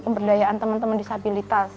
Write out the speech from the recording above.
pemberdayaan temen temen disabilitas